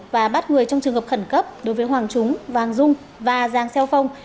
và bắt người trong trường hợp khẩn cấp đối với hoàng trúng vàng dung và giàng xeo phong